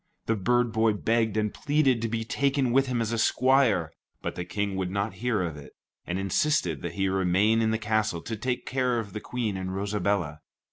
The bird boy begged and pleaded to be taken with him as his squire, but the King would not hear of it, and insisted that he remain in the castle to take care of the Queen and Rosabella.